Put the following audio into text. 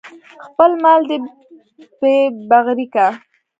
خپل مال دې پې بغرۍ که.